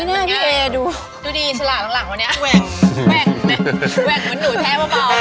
ก้าวเบื้องก้าว